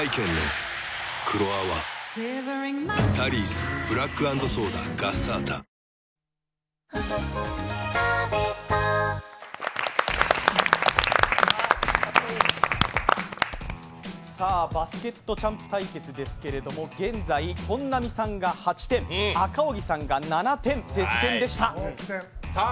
選ぶ日がきたらクリナップ「バスケットチャンプ」対決ですけれども、現在、本並さんが８点、赤荻さんが７点、接戦でした。